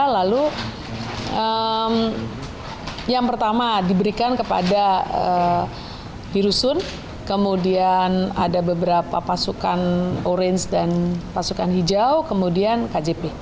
lalu yang pertama diberikan kepada di rusun kemudian ada beberapa pasukan orange dan pasukan hijau kemudian kjp